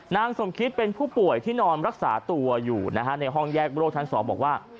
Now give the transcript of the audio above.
นางสมคิดเป็นผู้ป่วยที่นอนรักษาตัวอยู่นะฮะในห้องแยกโรคชั้น๒บอกว่า